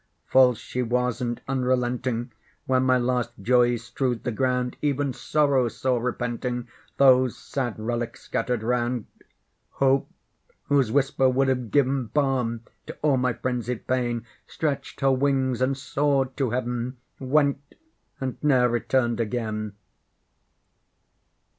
False she was, and unrelenting; When my last joys strewed the ground, Even Sorrow saw, repenting, Those sad relics scattered round; Hope, whose whisper would have given Balm to all my frenzied pain, Stretched her wings, and soared to heaven, Went, and ne'er returned again!